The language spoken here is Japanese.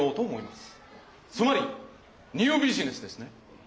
つまりニュービジネスですね。